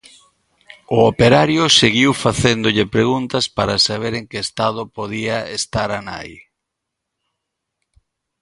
O operario seguiu facéndolle preguntas para saber en que estado podía estar a nai.